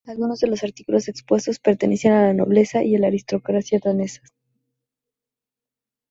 Algunos de los artículos expuestos pertenecían a la nobleza y la aristocracia danesas.